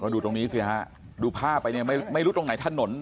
ดูตรงนี้สิฮะดูภาพไปเนี่ยไม่รู้ตรงไหนถนน